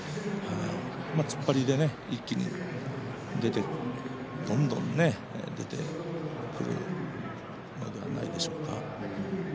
突っ張りで一気に出てくるのではないでしょうか。